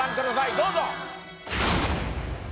どうぞ！